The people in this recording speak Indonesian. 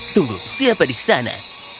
tunggu siapa di sana